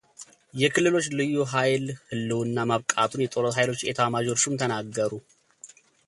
የክልሎች ልዩ ኃይል ህልውና ማብቃቱን የጦር ኃይሎች ኤታማዦር ሹም ተናገሩ